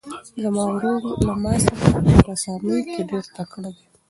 زما ورور له ما څخه په رسامۍ کې ډېر تکړه دی.